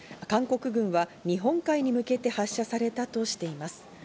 韓国軍は日本海に向けて発射されたとしています。